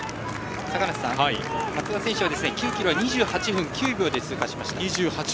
松田選手は９ｋｍ２８分９秒で通過しました。